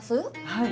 はい。